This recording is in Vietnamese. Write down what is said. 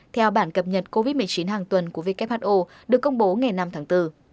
theo bản cập nhật covid một mươi chín hàng tuần của who được công bố ngày năm tháng bốn